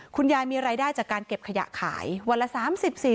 คุณยายมีรายได้จากการเก็บขยะขายวันละ๓๐๔๐